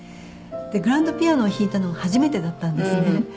グランドピアノを弾いたのが初めてだったんですね。